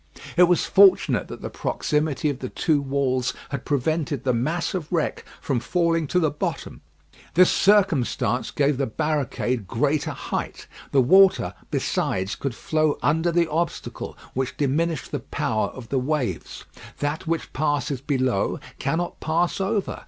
It was fortunate that the proximity of the two walls had prevented the mass of wreck from falling to the bottom. This circumstance gave the barricade greater height; the water, besides, could flow under the obstacle, which diminished the power of the waves. That which passes below cannot pass over.